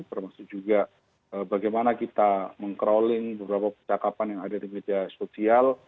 termasuk juga bagaimana kita meng crawling beberapa percakapan yang ada di media sosial